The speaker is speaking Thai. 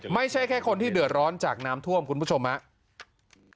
ไม่ใช่แค่คนที่เดือดร้อนจากน้ำท่วมคุณผู้ชมครับ